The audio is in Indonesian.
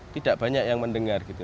tidak banyak yang mendengar gitu